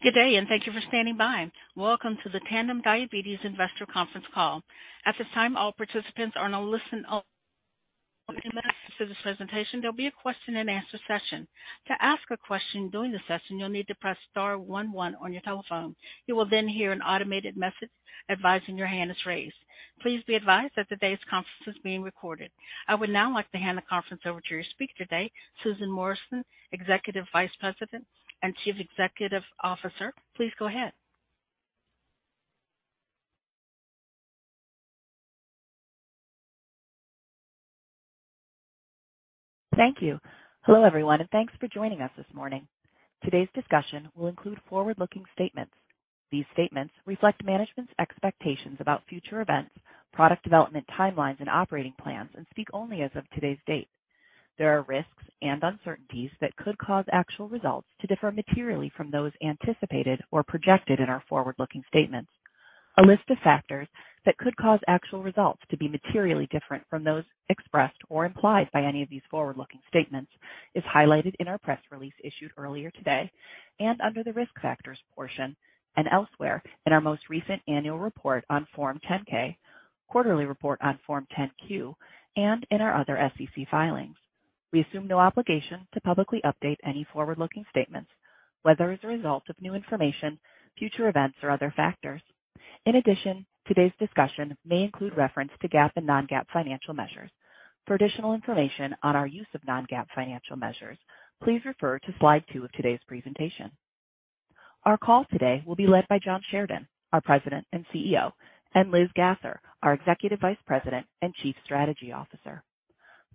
Good day. Thank you for standing by. Welcome to the Tandem Diabetes Investor Conference Call. At this time, all participants are on a listen only to this presentation. There'll be a question and answer session. To ask a question during the session, you'll need to press star one one on your telephone. You will then hear an automated message advising your hand is raised. Please be advised that today's conference is being recorded. I would now like to hand the conference over to your speaker today, Susan Morrison, Executive Vice President and Chief Administrative Officer. Please go ahead. Thank you. Hello, everyone, and thanks for joining us this morning. Today's discussion will include forward-looking statements. These statements reflect management's expectations about future events, product development timelines and operating plans, and speak only as of today's date. There are risks and uncertainties that could cause actual results to differ materially from those anticipated or projected in our forward-looking statements. A list of factors that could cause actual results to be materially different from those expressed or implied by any of these forward-looking statements is highlighted in our press release issued earlier today and under the Risk Factors portion and elsewhere in our most recent annual report on Form 10-K, quarterly report on Form 10-Q, and in our other SEC filings. We assume no obligation to publicly update any forward-looking statements, whether as a result of new information, future events, or other factors. Today's discussion may include reference to GAAP and Non-GAAP financial measures. For additional information on our use of Non-GAAP financial measures, please refer to slide two of today's presentation. Our call today will be led by John Sheridan, our President and Chief Executive Officer, and Elizabeth Gasser, our Executive Vice President and Chief Strategy Officer.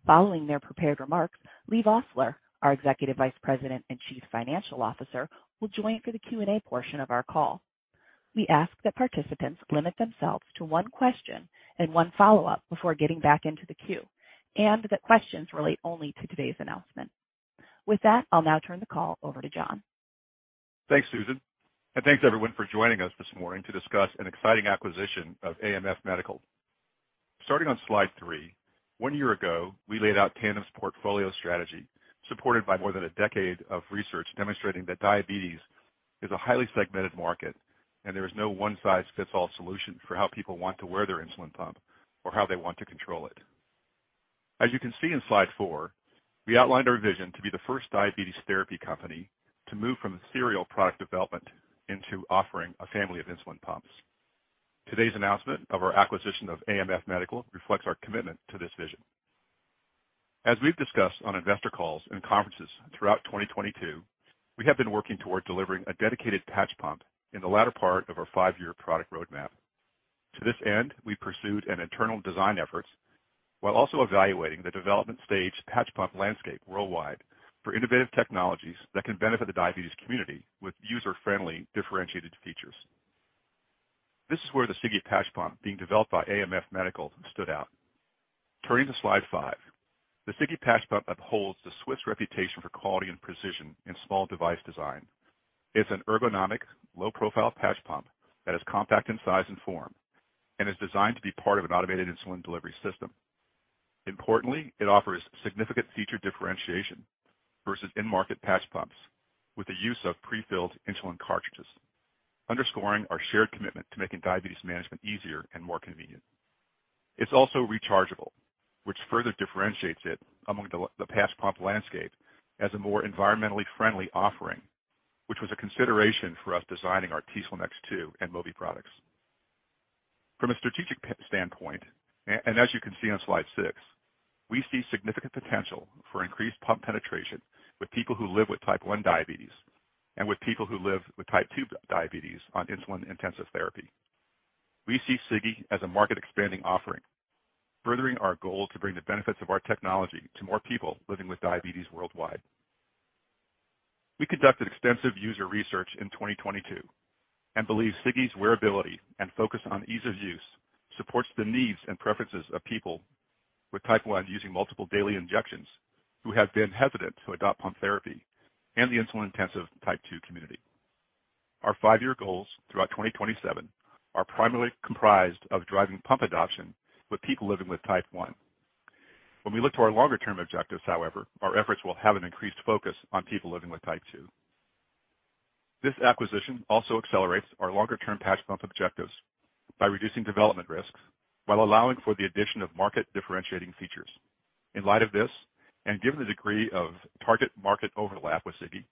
Following their prepared remarks, Leigh Vosseller, our Executive Vice President and Chief Financial Officer, will join for the Q&A portion of our call. We ask that participants limit themselves to one question and one follow-up before getting back into the queue, and that questions relate only to today's announcement. With that, I'll now turn the call over to John. Thanks, Susan, thanks everyone for joining us this morning to discuss an exciting acquisition of AMF Medical. Starting on slide three. One year ago, we laid out Tandem's portfolio strategy, supported by more than a decade of research demonstrating that diabetes is a highly segmented market, and there is no one-size-fits-all solution for how people want to wear their insulin pump or how they want to control it. As you can see in slide four, we outlined our vision to be the first diabetes therapy company to move from serial product development into offering a family of insulin pumps. Today's announcement of our acquisition of AMF Medical reflects our commitment to this vision. As we've discussed on investor calls and conferences throughout 2022, we have been working toward delivering a dedicated patch pump in the latter part of our five-year product roadmap. To this end, we pursued an internal design efforts while also evaluating the development stage patch pump landscape worldwide for innovative technologies that can benefit the diabetes community with user-friendly differentiated features. This is where the Sigi Patch Pump being developed by AMF Medical stood out. Turning to slide five. The Sigi Patch Pump upholds the Swiss reputation for quality and precision in small device design. It's an ergonomic, low-profile patch pump that is compact in size and form and is designed to be part of an automated insulin delivery system. Importantly, it offers significant feature differentiation versus end-market patch pumps with the use of prefilled insulin cartridges, underscoring our shared commitment to making diabetes management easier and more convenient. It's also rechargeable, which further differentiates it among the patch pump landscape as a more environmentally friendly offering, which was a consideration for us designing our t:slim X2 and Mobi products. From a strategic standpoint, as you can see on slide six, we see significant potential for increased pump penetration with people who live with Type 1 diabetes and with people who live with Type 2 diabetes on insulin-intensive therapy. We see Sigi as a market expanding offering, furthering our goal to bring the benefits of our technology to more people living with diabetes worldwide. We conducted extensive user research in 2022 and believe Sigi's wearability and focus on ease of use supports the needs and preferences of people with Type 1 using multiple daily injections who have been hesitant to adopt pump therapy and the insulin-intensive Type 2 community. Our five-year goals throughout 2027 are primarily comprised of driving pump adoption with people living with Type 1. When we look to our longer term objectives, however, our efforts will have an increased focus on people living with Type 2. This acquisition also accelerates our longer term patch pump objectives by reducing development risks while allowing for the addition of market differentiating features. In light of this, given the degree of target market overlap with Sigi,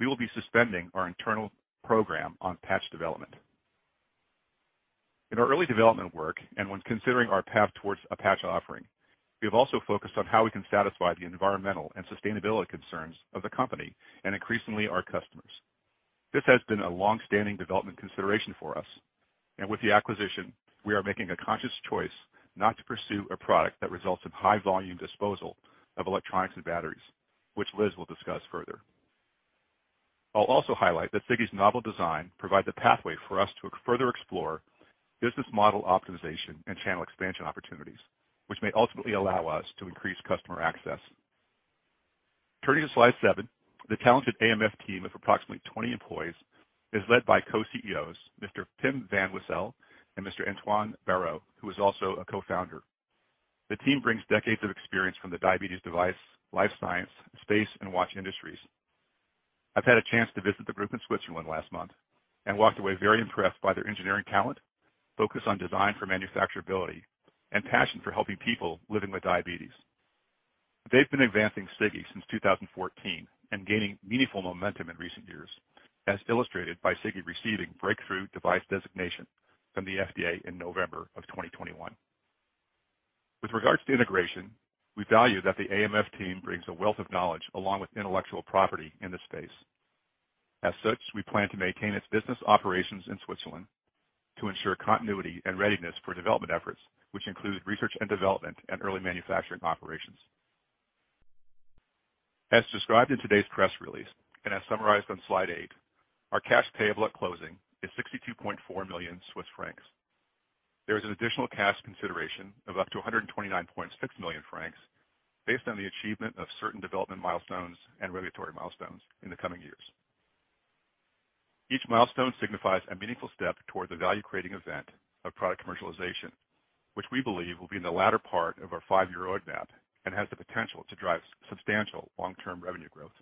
we will be suspending our internal program on patch development. In our early development work and when considering our path towards a patch offering, we have also focused on how we can satisfy the environmental and sustainability concerns of the company and increasingly our customers. This has been a long-standing development consideration for us, and with the acquisition, we are making a conscious choice not to pursue a product that results in high volume disposal of electronics and batteries, which Liz will discuss further. I'll also highlight that Sigi's novel design provides a pathway for us to further explore business model optimization and channel expansion opportunities, which may ultimately allow us to increase customer access. Turning to slide seven. The talented AMF team of approximately 20 employees is led by co-Chief Executive Officers Mr. Pim van Wesel and Mr. Antoine Barraud, who is also a co-founder. The team brings decades of experience from the diabetes device, life science, space, and watch industries. I've had a chance to visit the group in Switzerland last month and walked away very impressed by their engineering talent, focus on design for manufacturability, and passion for helping people living with diabetes. They've been advancing Sigi since 2014 and gaining meaningful momentum in recent years, as illustrated by Sigi receiving Breakthrough Device designation from the FDA in November 2021. With regards to integration, we value that the AMF team brings a wealth of knowledge along with intellectual property in this space. We plan to maintain its business operations in Switzerland to ensure continuity and readiness for development efforts, which include research and development and early manufacturing operations. Our cash payable at closing is 62.4 million Swiss francs. There is an additional cash consideration of up to 129.6 million francs based on the achievement of certain development milestones and regulatory milestones in the coming years. Each milestone signifies a meaningful step toward the value-creating event of product commercialization, which we believe will be in the latter part of our five-year roadmap and has the potential to drive substantial long-term revenue growth.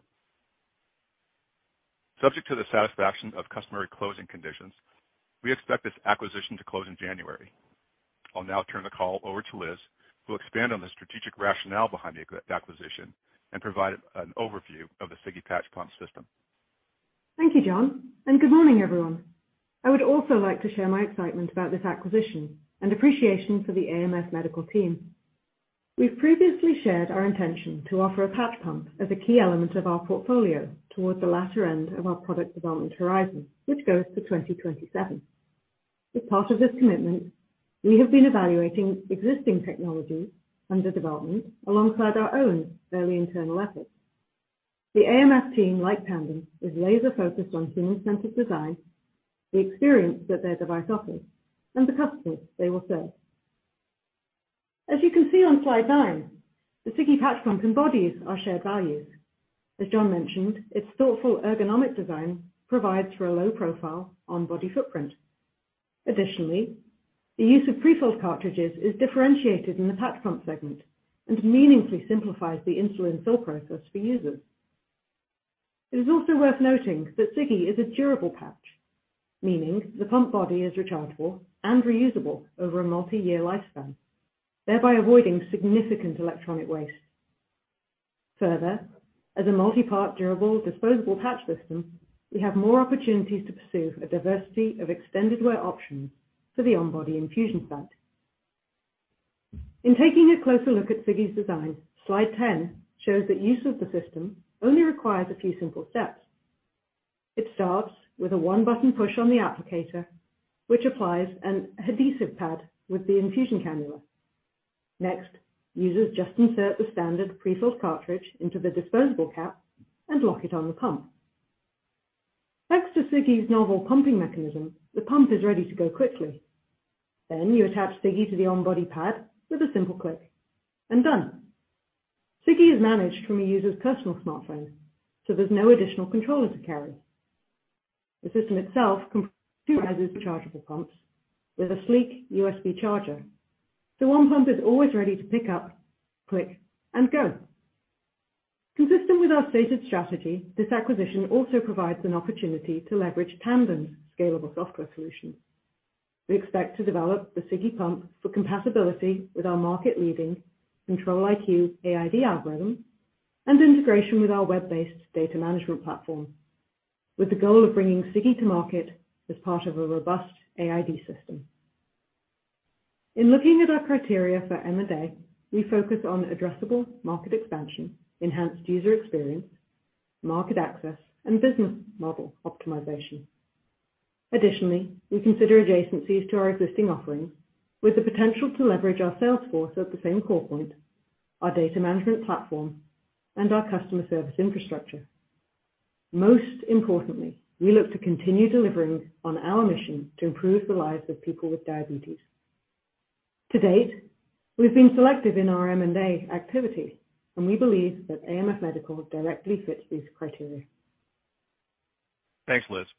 Subject to the satisfaction of customary closing conditions, we expect this acquisition to close in January. I'll now turn the call over to Elizabeth, who will expand on the strategic rationale behind the acquisition and provide an overview of the Sigi patch pump system. Thank you, John, and good morning, everyone. I would also like to share my excitement about this acquisition and appreciation for the AMF Medical team. We've previously shared our intention to offer a patch pump as a key element of our portfolio towards the latter end of our product development horizon, which goes to 2027. As part of this commitment, we have been evaluating existing technologies under development alongside our own early internal efforts. The AMF team, like Tandem, is laser-focused on human-centered design, the experience that their device offers, and the customers they will serve. As you can see on slide nine, the Sigi patch pump embodies our shared values. As John mentioned, its thoughtful ergonomic design provides for a low profile on body footprint. Additionally, the use of prefilled cartridges is differentiated in the patch pump segment and meaningfully simplifies the insulin fill process for users. It is also worth noting that Sigi is a durable patch, meaning the pump body is rechargeable and reusable over a multiyear lifespan, thereby avoiding significant electronic waste. As a multi-part, durable, disposable patch system, we have more opportunities to pursue a diversity of extended wear options for the on-body infusion site. In taking a closer look at Sigi's design, Slide 10 shows that use of the system only requires a few simple steps. It starts with a one-button push on the applicator, which applies an adhesive pad with the infusion cannula. Next, users just insert the standard prefilled cartridge into the disposable cap and lock it on the pump. Thanks to Sigi's novel pumping mechanism, the pump is ready to go quickly. You attach Sigi to the on-body pad with a simple click, and done. Sigi is managed from a user's personal smartphone, so there's no additional controller to carry. The system itself comprises two rechargeable pumps with a sleek USB charger, so one pump is always ready to pick up, click, and go. Consistent with our stated strategy, this acquisition also provides an opportunity to leverage Tandem's scalable software solution. We expect to develop the Sigi pump for compatibility with our market-leading Control-IQ AID algorithm and integration with our web-based data management platform, with the goal of bringing Sigi to market as part of a robust AID system. In looking at our criteria for M&A, we focus on addressable market expansion, enhanced user experience, market access, and business model optimization. Additionally, we consider adjacencies to our existing offerings with the potential to leverage our sales force at the same call point, our data management platform, and our customer service infrastructure. Most importantly, we look to continue delivering on our mission to improve the lives of people with diabetes. To date, we've been selective in our M&A activities. We believe that AMF Medical directly fits these criteria. Thanks, Elizabeth.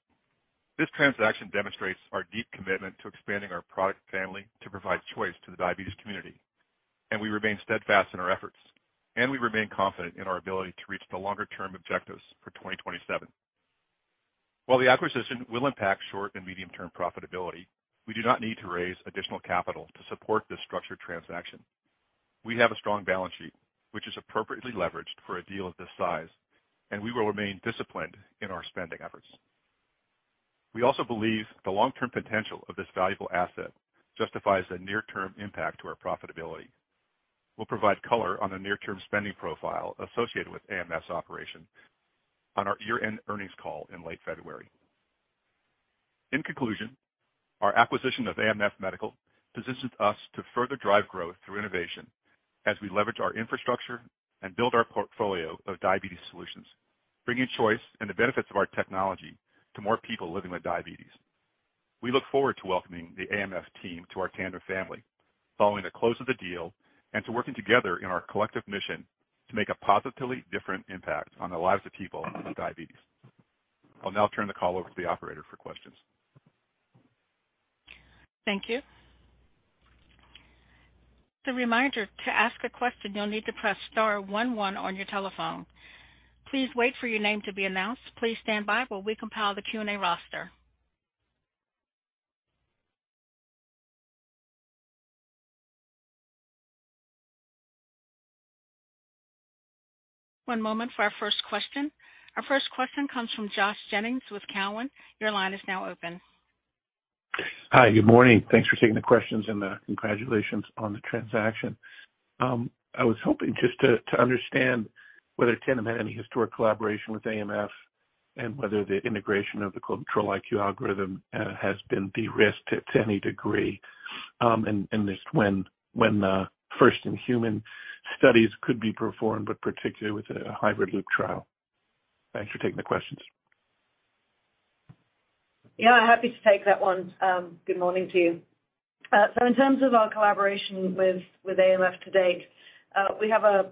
This transaction demonstrates our deep commitment to expanding our product family to provide choice to the diabetes community, and we remain steadfast in our efforts, and we remain confident in our ability to reach the longer-term objectives for 2027. While the acquisition will impact short and medium-term profitability, we do not need to raise additional capital to support this structured transaction. We have a strong balance sheet, which is appropriately leveraged for a deal of this size, and we will remain disciplined in our spending efforts. We also believe the long-term potential of this valuable asset justifies the near-term impact to our profitability. We'll provide color on the near-term spending profile associated with AMF Medical operation on our year-end earnings call in late February. In conclusion, our acquisition of AMF Medical positions us to further drive growth through innovation as we leverage our infrastructure and build our portfolio of diabetes solutions, bringing choice and the benefits of our technology to more people living with diabetes. We look forward to welcoming the AMF team to our Tandem family following the close of the deal and to working together in our collective mission to make a positively different impact on the lives of people with diabetes. I'll now turn the call over to the operator for questions. Thank you. As a reminder, to ask a question, you'll need to press star one one on your telephone. Please wait for your name to be announced. Please stand by while we compile the Q&A roster. One moment for our first question. Our first question comes from Josh Jennings with TD Cowen. Your line is now open. Hi. Good morning. Thanks for taking the questions and congratulations on the transaction. I was hoping just to understand whether Tandem had any historic collaboration with AMF and whether the integration of the Control-IQ algorithm has been de-risked to any degree, and just when first-in-human studies could be performed, but particularly with a hybrid loop trial. Thanks for taking the questions. Yeah, happy to take that one. Good morning to you. In terms of our collaboration with AMF to date, we have a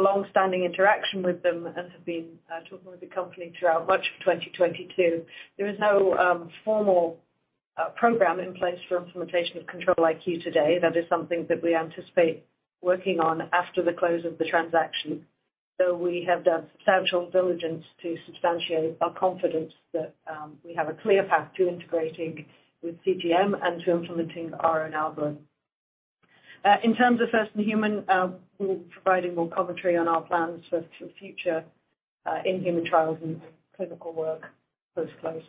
long-standing interaction with them and have been talking with the company throughout much of 2022. There is no formal program in place for implementation of Control-IQ today. That is something that we anticipate working on after the close of the transaction. We have done substantial diligence to substantiate our confidence that we have a clear path to integrating with CGM and to implementing our own algorithm. In terms of first-in-human, we'll be providing more commentary on our plans for future in-human trials and clinical work post-close.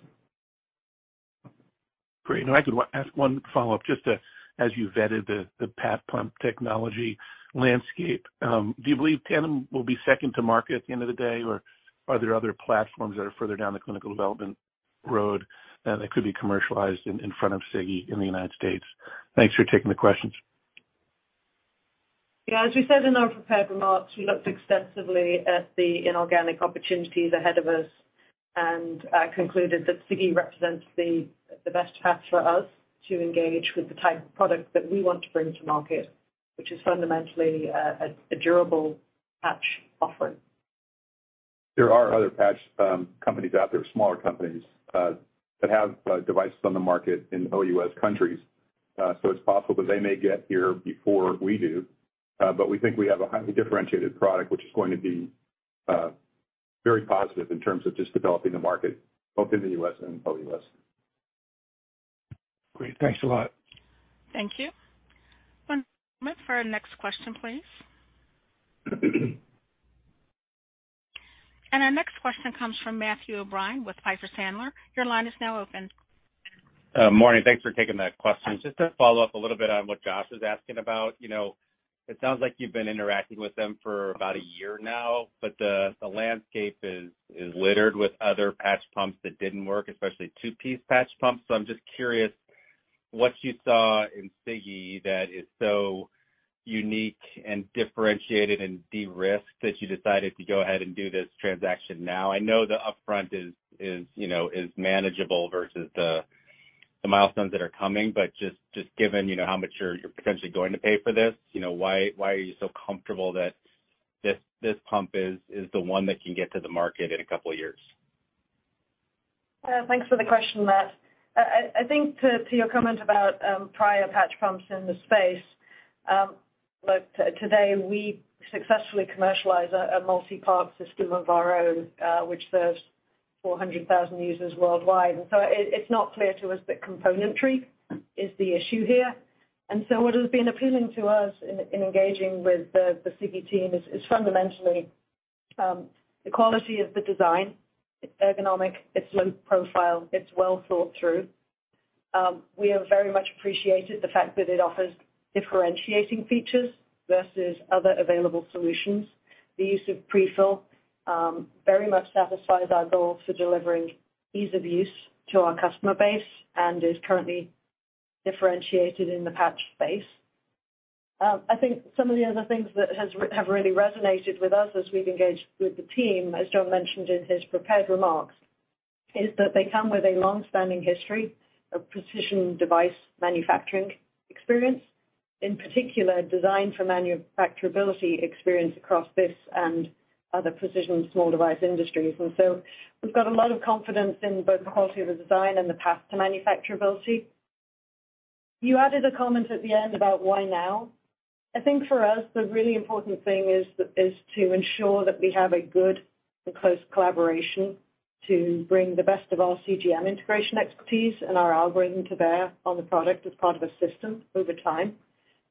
Great. If I could ask one follow-up just to, as you vetted the patch pump technology landscape, do you believe Tandem will be second to market at the end of the day, or are there other platforms that are further down the clinical development road, that could be commercialized in front of Sigi in the United States? Thanks for taking the questions. As we said in our prepared remarks, we looked extensively at the inorganic opportunities ahead of us and concluded that Sigi represents the best path for us to engage with the type of product that we want to bring to market, which is fundamentally a durable patch offering. There are other patch companies out there, smaller companies, that have devices on the market in OUS countries. It's possible that they may get here before we do. We think we have a highly differentiated product, which is going to be very positive in terms of just developing the market both in the US and OUS. Great. Thanks a lot. Thank you. One moment for our next question, please. Our next question comes from Matthew O'Brien with Piper Sandler. Your line is now open. Morning. Thanks for taking the questions. Just to follow up a little bit on what Josh is asking about, you know, it sounds like you've been interacting with them for about a year now, but the landscape is littered with other patch pumps that didn't work, especially two-piece patch pumps. I'm just curious what you saw in Sigi that is so unique and differentiated and de-risked that you decided to go ahead and do this transaction now. I know the upfront is manageable versus the milestones that are coming, just given, you know, how much you're potentially going to pay for this, you know, why are you so comfortable that this pump is the one that can get to the market in a couple of years? Thanks for the question, Matt. I think to your comment about prior patch pumps in the space, today we successfully commercialize a multi-part system of our own, which serves 400,000 users worldwide. It's not clear to us that componentry is the issue here. What has been appealing to us in engaging with the Sigi team is fundamentally the quality of the design. It's ergonomic, it's low profile, it's well thought through. We have very much appreciated the fact that it offers differentiating features versus other available solutions. The use of pre-fill very much satisfies our goal for delivering ease of use to our customer base and is currently differentiated in the patch space. I think some of the other things that really resonated with us as we've engaged with the team, as John mentioned in his prepared remarks, is that they come with a long-standing history of precision device manufacturing experience, in particular design for manufacturability experience across this and other precision small device industries. We've got a lot of confidence in both the quality of the design and the path to manufacturability. You added a comment at the end about why now. I think for us, the really important thing is to ensure that we have a good and close collaboration to bring the best of our CGM integration expertise and our algorithm to bear on the product as part of a system over time.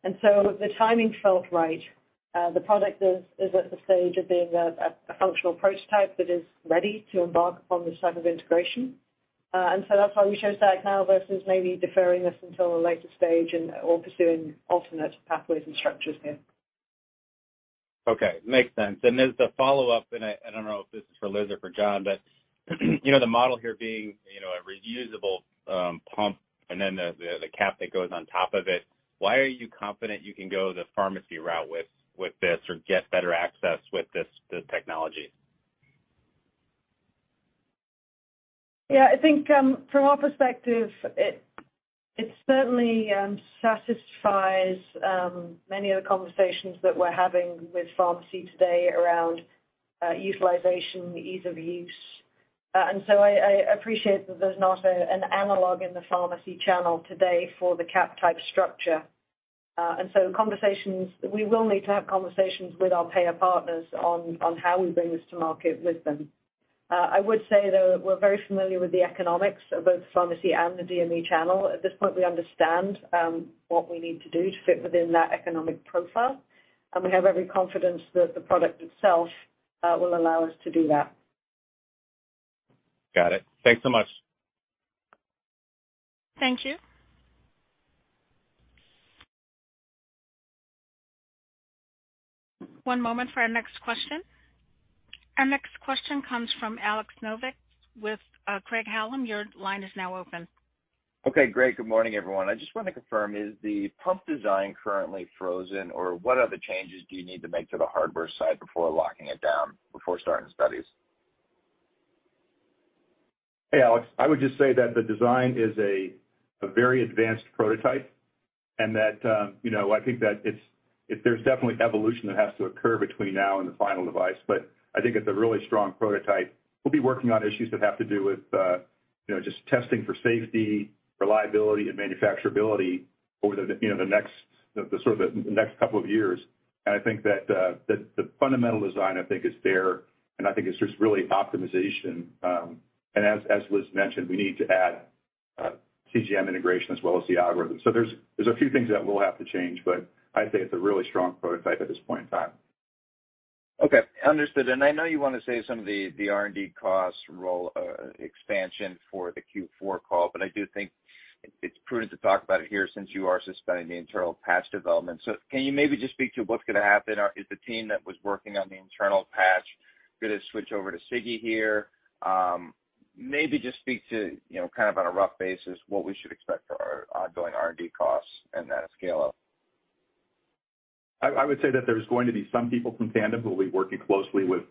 The timing felt right. The product is at the stage of being a functional prototype that is ready to embark upon this type of integration. That's why we chose to act now versus maybe deferring this until a later stage and/or pursuing alternate pathways and structures here. Okay. Makes sense. As the follow-up, I don't know if this is for Elizabeth or for John, but you know, the model here being, you know, a reusable pump and then the cap that goes on top of it, why are you confident you can go the pharmacy route with this or get better access with this technology? I think, from our perspective, it- It certainly satisfies many of the conversations that we're having with pharmacy today around utilization, ease of use. I appreciate that there's not an analog in the pharmacy channel today for the cap type structure. We will need to have conversations with our payer partners on how we bring this to market with them. I would say, though, we're very familiar with the economics of both pharmacy and the DME channel. At this point, we understand what we need to do to fit within that economic profile, and we have every confidence that the product itself will allow us to do that. Got it. Thanks so much. Thank you. One moment for our next question. Our next question comes from Alex Nowak with Craig-Hallum. Your line is now open. Okay, great. Good morning, everyone. I just want to confirm, is the pump design currently frozen, or what other changes do you need to make to the hardware side before locking it down before starting studies? Hey, Alex. I would just say that the design is a very advanced prototype and that, you know, there's definitely evolution that has to occur between now and the final device. I think it's a really strong prototype. We'll be working on issues that have to do with, you know, just testing for safety, reliability, and manufacturability over the, you know, the next couple of years. I think that the fundamental design, I think, is there, and I think it's just really optimization. As Liz mentioned, we need to add CGM integration as well as the algorithm. There's a few things that we'll have to change, but I'd say it's a really strong prototype at this point in time. Okay. Understood. I know you wanna save some of the R&D costs roll expansion for the Q4 call, but I do think it's prudent to talk about it here since you are suspending the internal patch development. Can you maybe just speak to what's gonna happen? Is the team that was working on the internal patch gonna switch over to Sigi here? Maybe just speak to, you know, kind of on a rough basis, what we should expect for our ongoing R&D costs and that scale-up. I would say that there's going to be some people from Tandem who'll be working closely with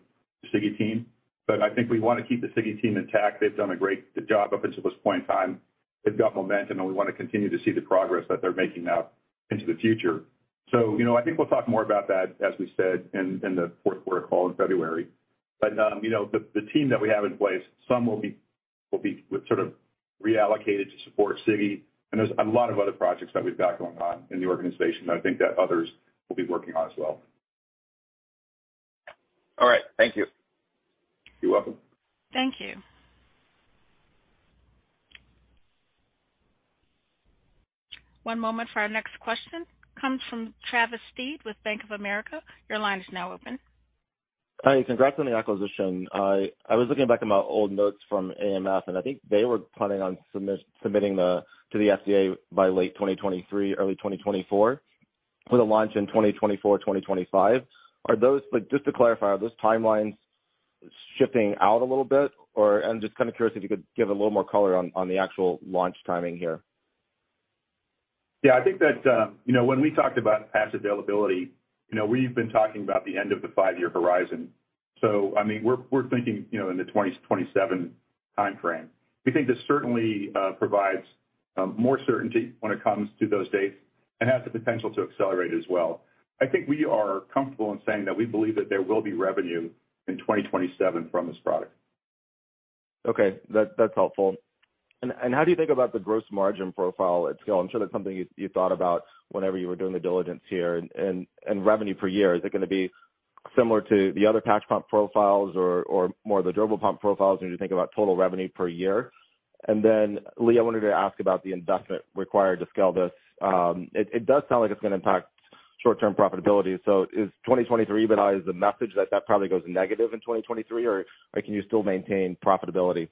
the Sigi team. I think we wanna keep the Sigi team intact. They've done a great job up until this point in time. They've got momentum, and we wanna continue to see the progress that they're making now into the future. You know, I think we'll talk more about that, as we said, in the fourth quarter call in February. You know, the team that we have in place, some will be sort of reallocated to support Sigi. There's a lot of other projects that we've got going on in the organization that I think that others will be working on as well. All right. Thank you. You're welcome. Thank you. One moment for our next question. Comes from Travis Steed with Bank of America. Your line is now open. Hi. Congrats on the acquisition. I was looking back at my old notes from AMF, and I think they were planning on submitting the to the FDA by late 2023, early 2024, with a launch in 2024, 2025. Are those, like, just to clarify, are those timelines shifting out a little bit, or? I'm just kind of curious if you could give a little more color on the actual launch timing here. I think that, you know, when we talked about patch availability, you know, we've been talking about the end of the 5-year horizon. I mean, we're thinking, you know, in the 2027 timeframe. We think this certainly provides more certainty when it comes to those dates and has the potential to accelerate as well. I think we are comfortable in saying that we believe that there will be revenue in 2027 from this product. Okay. That's helpful. How do you think about the gross margin profile at scale? I'm sure that's something you thought about whenever you were doing the diligence here. Revenue per year, is it gonna be similar to the other patch pump profiles or more of the durable pump profiles when you think about total revenue per year? Leigh, I wanted to ask about the investment required to scale this. It does sound like it's gonna impact short-term profitability. Is 2023 EBITDA the message that probably goes negative in 2023, or can you still maintain profitability?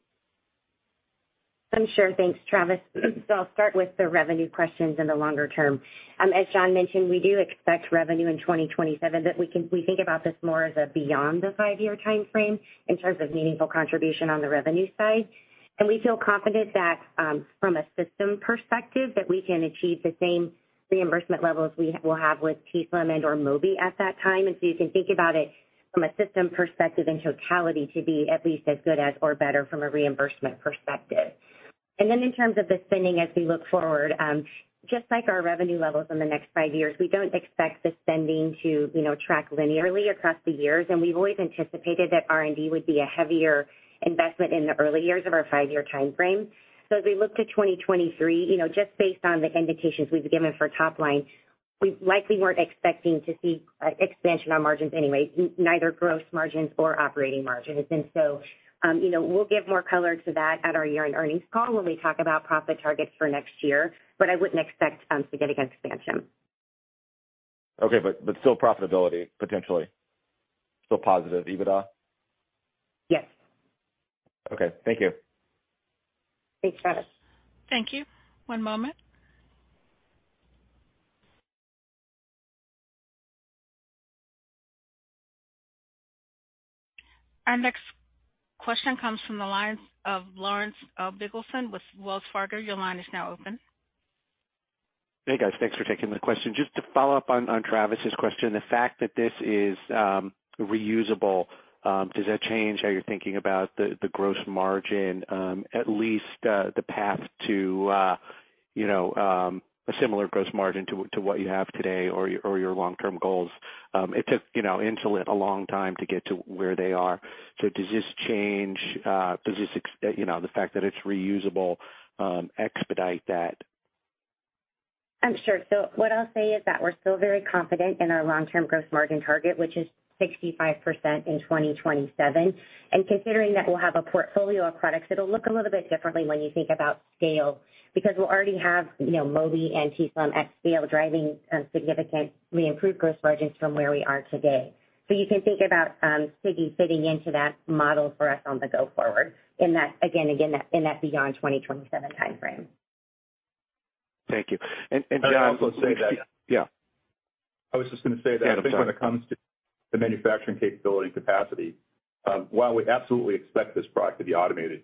Sure. Thanks, Travis. I'll start with the revenue questions in the longer term. As John mentioned, we do expect revenue in 2027 that we think about this more as a beyond the five-year timeframe in terms of meaningful contribution on the revenue side. We feel confident that, from a system perspective, that we can achieve the same reimbursement levels we will have with t:slim and or Mobi at that time. You can think about it from a system perspective and totality to be at least as good as or better from a reimbursement perspective. In terms of the spending as we look forward, just like our revenue levels in the next five years, we don't expect the spending to, you know, track linearly across the years, and we've always anticipated that R&D would be a heavier investment in the early years of our five-year timeframe. As we look to 2023, you know, just based on the indications we've given for top line, we likely weren't expecting to see expansion on margins anyway, neither gross margins or operating margins. You know, we'll give more color to that at our year-end earnings call when we talk about profit targets for next year, but I wouldn't expect significant expansion. Okay. Still profitability potentially? Still positive EBITDA? Yes. Okay. Thank you. Thanks, Travis. Thank you. One moment. Our next question comes from the line of Lawrence Biegelsen with Wells Fargo. Your line is now open. Hey guys, thanks for taking the question. Just to follow up on Travis's question, the fact that this is reusable, does that change how you're thinking about the gross margin, at least the path to, you know, a similar gross margin to what you have today or your long-term goals? It took, you know, insulin a long time to get to where they are. Does this change, you know, the fact that it's reusable, expedite that? Sure. What I'll say is that we're still very confident in our long-term gross margin target, which is 65% in 2027. Considering that we'll have a portfolio of products, it'll look a little bit differently when you think about scale because we'll already have, you know, Mobi and t:slim X scale driving significantly improved gross margins from where we are today. You can think about Sigi fitting into that model for us on the go forward in that, again, in that beyond 2027 time frame. Thank you. John, I'll say. Yeah. Yeah. I was just gonna say that I think when it comes to the manufacturing capability and capacity, while we absolutely expect this product to be automated,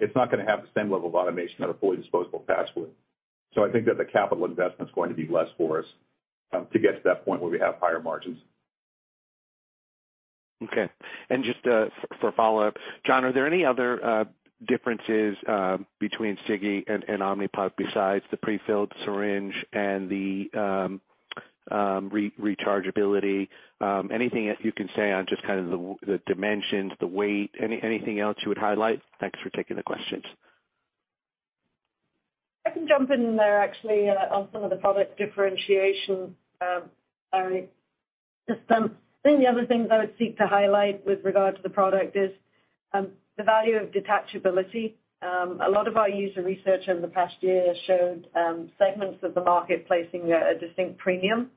it's not gonna have the same level of automation of a fully disposable patch would. I think that the capital investment is going to be less for us, to get to that point where we have higher margins. Okay. Just for follow-up, John, are there any other differences between Sigi and Omnipod besides the pre-filled syringe and the rechargeability? Anything that you can say on just kind of the dimensions, the weight, anything else you would highlight? Thanks for taking the questions. I can jump in there actually, on some of the product differentiation. I just think the other thing I would seek to highlight with regard to the product is the value of detachability. A lot of our user research over the past year showed segments of the market placing a distinct premium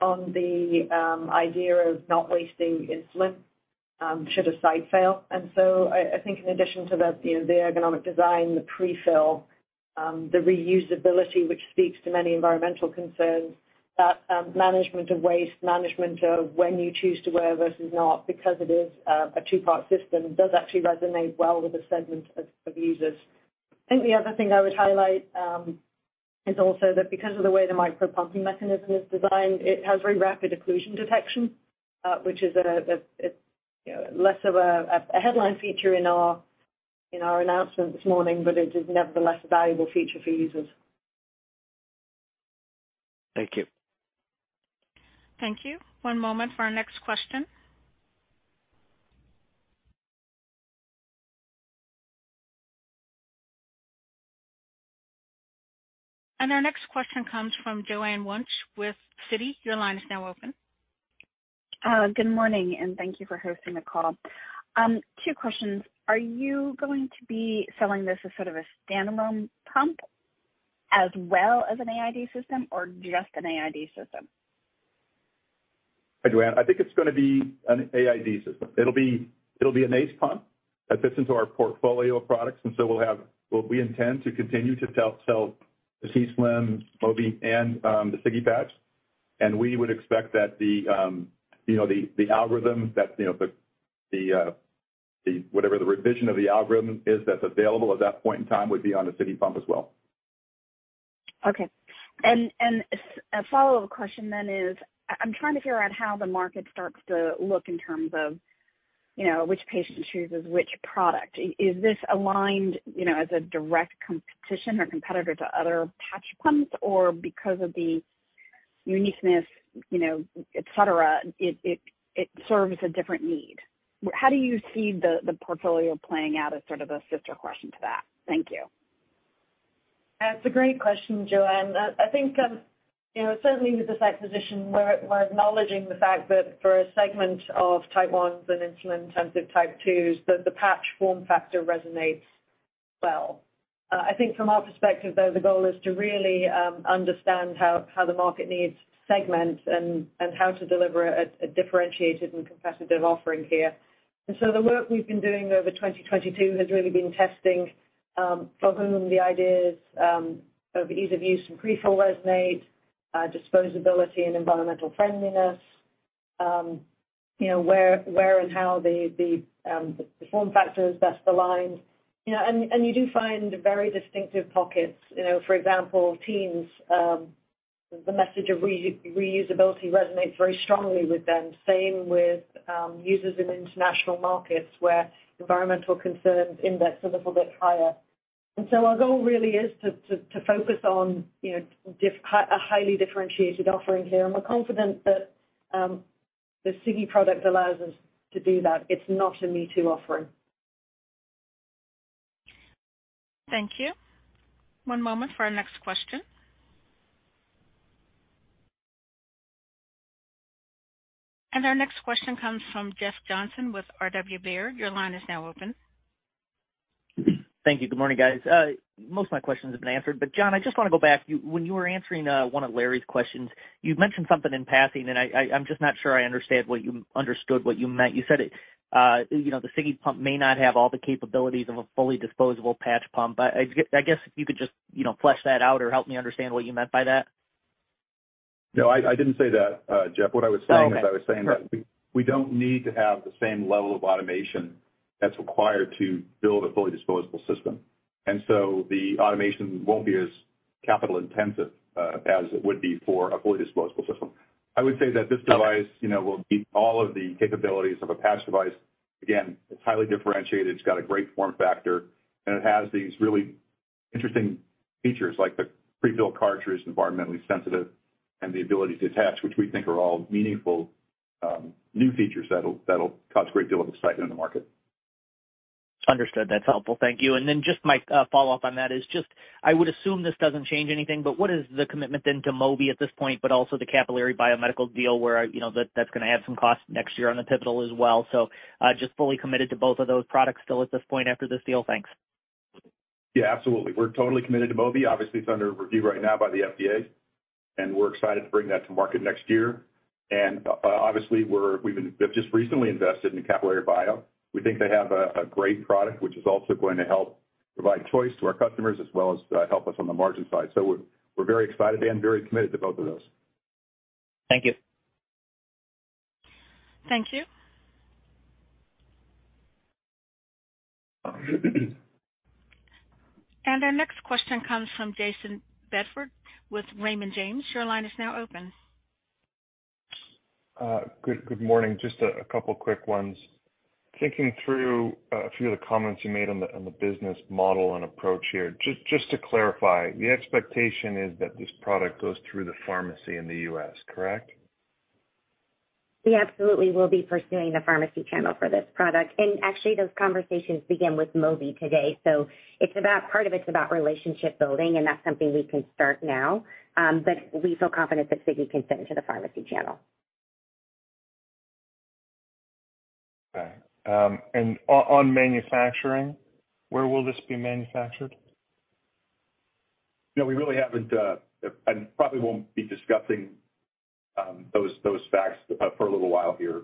on the idea of not wasting insulin, should a site fail. I think in addition to the, you know, the ergonomic design, the pre-fill, the reusability, which speaks to many environmental concerns, that management of waste, management of when you choose to wear versus not, because it is a two-part system does actually resonate well with a segment of users. I think the other thing I would highlight, is also that because of the way the micro pumping mechanism is designed, it has very rapid occlusion detection, which is a, it's, you know, less of a headline feature in our announcement this morning, but it is nevertheless a valuable feature for users. Thank you. Thank you. One moment for our next question. Our next question comes from Joanne Wuensch with Citi. Your line is now open. Good morning, thank you for hosting the call. Two questions. Are you going to be selling this as sort of a standalone pump as well as an AID system or just an AID system? Hi, Joanne. I think it's gonna be an AID system. It'll be an ACE pump that fits into our portfolio of products, we intend to continue to sell the t:slim, Mobi, and the Sigi patch. We would expect that the, you know, the algorithm that, you know, the whatever the revision of the algorithm is that's available at that point in time would be on the Sigi pump as well. Okay. A follow-up question then is, I'm trying to figure out how the market starts to look in terms of, you know, which patient chooses which product. Is this aligned, you know, as a direct competition or competitor to other patch pumps, or because of the uniqueness, you know, et cetera, it serves a different need? How do you see the portfolio playing out as sort of a sister question to that? Thank you. That's a great question, Joanne. I think, you know, certainly with the site position, we're acknowledging the fact that for a segment of Type 1s and insulin-intensive Type 2s, that the patch form factor resonates well. I think from our perspective, though, the goal is to really understand how the market needs to segment and how to deliver a differentiated and competitive offering here. The work we've been doing over 2022 has really been testing, for whom the ideas of ease of use and pre-fill resonate, disposability and environmental friendliness. You know, where and how the form factor is best aligned. You know, and you do find very distinctive pockets. You know, for example, teens, the message of reusability resonates very strongly with them. Same with, users in international markets where environmental concerns index a little bit higher. Our goal really is to focus on, you know, a highly differentiated offering here. We're confident that, the Sigi product allows us to do that. It's not a me-too offering. Thank you. One moment for our next question. Our next question comes from Jeff Johnson with R.W. Baird. Your line is now open. Thank you. Good morning, guys. Most of my questions have been answered, but John, I just wanna go back. When you were answering one of Larry's questions, you mentioned something in passing, and I'm just not sure I understood what you meant. You said it, you know, the Sigi pump may not have all the capabilities of a fully disposable patch pump. I guess if you could just, you know, flesh that out or help me understand what you meant by that. No, I didn't say that, Jeff. What I was saying is. Oh, okay. I was saying that we don't need to have the same level of automation that's required to build a fully disposable system. The automation won't be as capital intensive as it would be for a fully disposable system. I would say that this device, you know, will meet all of the capabilities of a patch device. Again, it's highly differentiated, it's got a great form factor, and it has these really interesting features like the prefilled cartridge, environmentally sensitive, and the ability to attach, which we think are all meaningful new features that'll cause a great deal of excitement in the market. Understood. That's helpful. Thank you. Just my follow-up on that is just I would assume this doesn't change anything, but what is the commitment then to Mobi at this point, but also the Capillary Biomedical deal where, you know, that's gonna add some cost next year on the pivotal as well? Just fully committed to both of those products still at this point after this deal? Thanks. Yeah, absolutely. We're totally committed to Mobi. Obviously, it's under review right now by the FDA. We're excited to bring that to market next year. Obviously, we've just recently invested in Capillary Bio. We think they have a great product, which is also going to help provide choice to our customers as well as help us on the margin side. We're very excited and very committed to both of those. Thank you. Thank you. Our next question comes from Jayson Bedford with Raymond James. Your line is now open. Good morning. Just a couple quick ones. Thinking through a few of the comments you made on the business model and approach here, just to clarify, the expectation is that this product goes through the pharmacy in the U.S., correct? We absolutely will be pursuing the pharmacy channel for this product. Actually, those conversations begin with Mobi today. It's about part of it's about relationship building, and that's something we can start now. We feel confident that Sigi can fit into the pharmacy channel. Okay. On manufacturing, where will this be manufactured? You know, we really haven't, and probably won't be discussing, those facts for a little while here.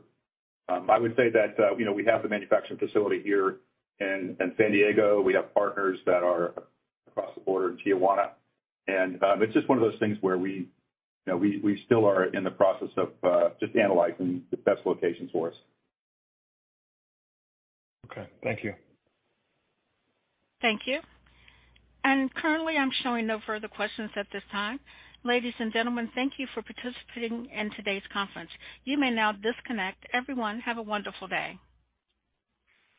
I would say that, you know, we have the manufacturing facility here in San Diego. We have partners that are across the border in Tijuana. But it's just one of those things where we, you know, we still are in the process of just analyzing the best locations for us. Okay, thank you. Thank you. Currently, I'm showing no further questions at this time. Ladies and gentlemen, thank you for participating in today's conference. You may now disconnect. Everyone, have a wonderful day.